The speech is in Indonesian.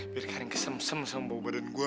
biar karim kesemsem sama bau badan gua